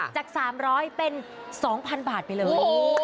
จาก๓๐๐เป็น๒๐๐๐บาทไปเลย